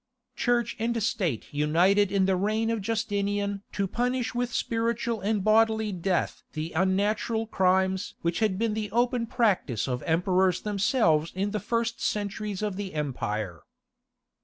Church and State united in the reign of Justinian to punish with spiritual and bodily death the unnatural crimes which had been the open practice of emperors themselves in the first centuries of the empire.